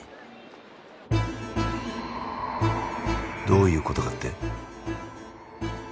どういうことかって？